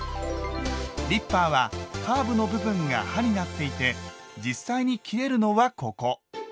リッパーはカーブの部分が刃になっていて実際に切れるのはココ！